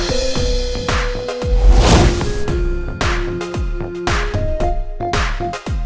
ini masa lu gue buat